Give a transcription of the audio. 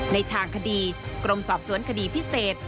ในทางคดีกรมสอบสวนคดีพิเศษ